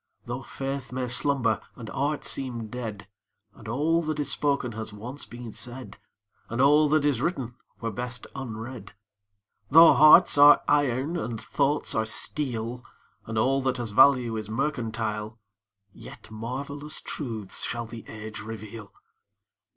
Though faith may slumber and art seem dead, And all that is spoken has once been said, And all that is written were best unread; Though hearts are iron and thoughts are steel, And all that has value is mercantile, Yet marvellous truths shall the age reveal.